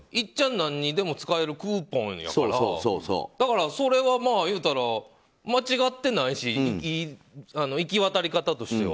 何にでも使えるクーポンやからそれは言うたら間違ってないし行き渡り方としては。